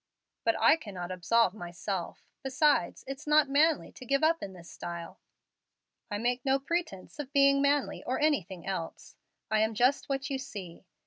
"But I cannot absolve myself. Besides, it's not manly to give up in this style." "I make no pretence of being manly or anything else. I am just what you see.